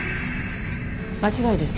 間違いです。